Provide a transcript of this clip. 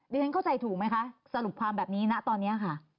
ฉันเข้าใจถูกไหมคะสรุปความแบบนี้นะตอนนี้ค่ะ